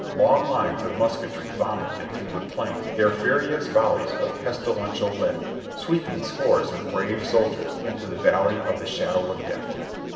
Long lines of musketry vomited through the plain their furious volleys of pestilential lead, sweeping scores of brave soldiers into the valley of the Shadow of Death.